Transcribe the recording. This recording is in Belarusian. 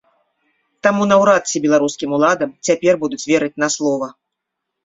Таму наўрад ці беларускім уладам цяпер будуць верыць на слова.